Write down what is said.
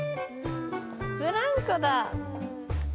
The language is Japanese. ブランコだ。